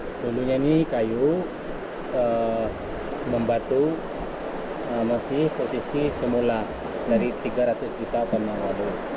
sebelumnya ini kayu membatu masih posisi semula dari tiga ratus juta penawar